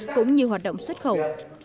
cũng như hoạt động xuất khẩu